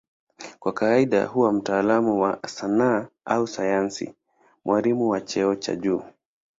Kwa kawaida huwa mtaalamu wa sanaa au sayansi, mwalimu wa cheo cha juu.